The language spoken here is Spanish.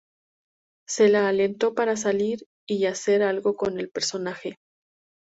Se la alentó para salir y hacer algo con el personaje.